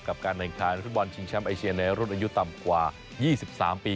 กับการแหน่งคลายในธุรกิจบอลชิงแชมป์เอเชียในรถอายุต่ำกว่า๒๓ปี